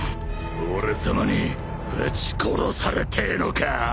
俺さまにぶち殺されてえのか？